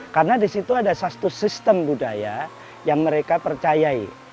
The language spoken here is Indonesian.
karena disitu ada satu sistem budaya yang mereka percayai